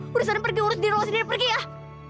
gua udah sering pergi urus diri lo sendiri pergi ah